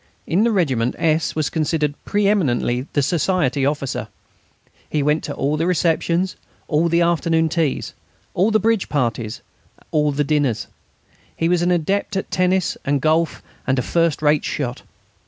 In the regiment, S. was considered preeminently the Society officer. He went to all the receptions, all the afternoon teas, all the bridge parties, all the dinners. He was an adept at tennis and golf and a first rate shot.